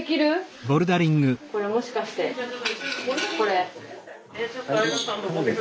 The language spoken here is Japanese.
これもしかしてこれ。